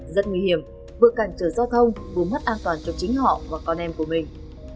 rất nguy hiểm vừa cản trở giao thông vừa mất an toàn cho chính họ và con em của mình